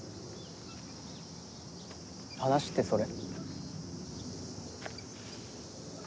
話ってそれ？